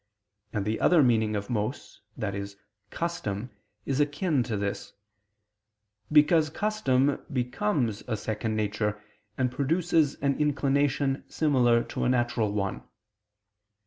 And the other meaning of mos, i.e. custom, is akin to this: because custom becomes a second nature, and produces an inclination similar to a natural one.